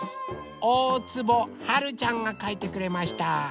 おおつぼはるちゃんがかいてくれました。